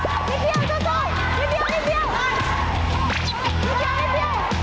มันเผ่าให้มันเผ่าให้อย่างนั้นอย่างนั้น